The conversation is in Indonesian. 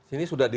ini sudah sudah